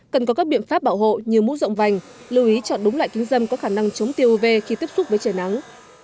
cần có các biện pháp bảo hộ như mũ rộng vành lưu ý chọn đúng loại kính dâm có khả năng chống tiêu uv khi tiếp xúc với trời nắng